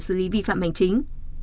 xử lý vi phạm hành chính